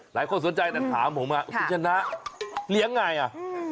หลายคนสนใจแต่ถามผมอ่ะคุณชนะเลี้ยงไงอ่ะ